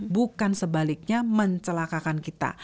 bukan sebaliknya mencelakakan kita